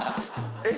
えっ？